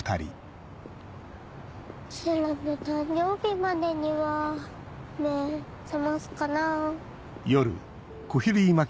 星来の誕生日までには目覚ますかな？